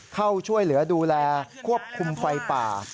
เข้าช่วยเหลือดูแลควบคุมไฟป่า